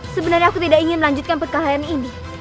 sebenarnya aku tidak ingin melanjutkan perkelahian ini